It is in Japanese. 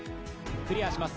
クリアします。